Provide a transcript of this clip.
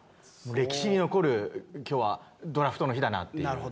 歴史に残る今日はドラフトの日だなっていう。